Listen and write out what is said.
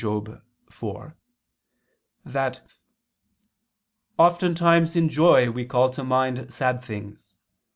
] that "oftentimes in joy we call to mind sad things